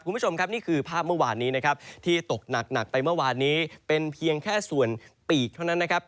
คุณผู้ชมครับนี่คือภาพเมื่อวานนี้นะครับที่ตกหนักไปเมื่อวานนี้เป็นเพียงแค่ส่วนปีกเท่านั้นนะครับ